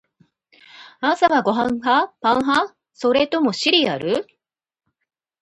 朝はご飯派？パン派？それともシリアル？